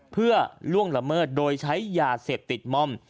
เพื่อล่วงละเมิดโดยใช้ยาเสพติดม่อม